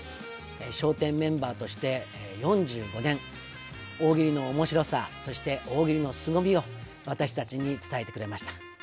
笑点メンバーとして４５年、大喜利のおもしろさ、そして大喜利のすごみを私たちに伝えてくれました。